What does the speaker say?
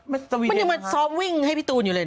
มันยังมาซ้อมวิ่งให้พี่ตูนอยู่เลย